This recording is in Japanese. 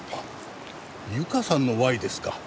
ゆかさんの「Ｙ」ですか。